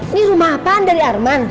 ini rumah pan dari arman